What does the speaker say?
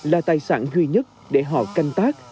là tài sản duy nhất để họ canh tác